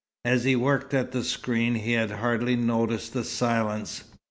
As he worked at the screen, he had hardly noticed the silence.